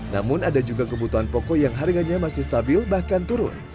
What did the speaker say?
namun ada juga kebutuhan pokok yang harganya masih stabil bahkan turun